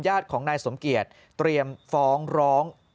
ญาติของนายสมเกียจเตรียมฟ้องร้อง